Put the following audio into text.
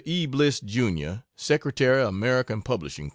E. Bliss, Jr. Sec'y American Publishing Co.